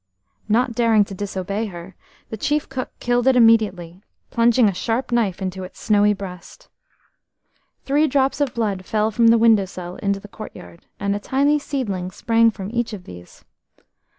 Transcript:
Not daring to disobey her, the chief cook killed it immediately, plunging a sharp knife into its snowy breast. Three drops of blood fell from the windowsill into the courtyard, and a tiny seedling sprang from each of these.